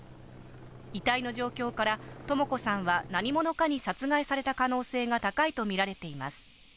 遺体の状況から智子さんは何者かに殺害された可能性が高いとみられています。